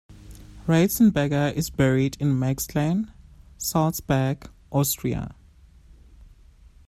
Ratzenberger is buried in Maxglan, Salzburg, Austria.